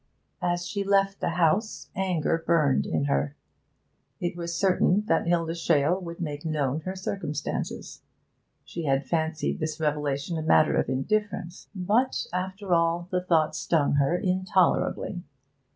As she left the house, anger burned in her. It was certain that Hilda Shale would make known her circumstances. She had fancied this revelation a matter of indifference; but, after all, the thought stung her intolerably.